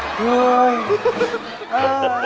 ไปเป็นไหนแล้ววะ